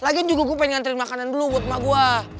lagian juga gue pengen ngantri makanan dulu buat emak gue